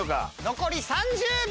残り３０秒！